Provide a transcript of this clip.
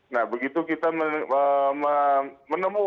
nah begitu kita menemu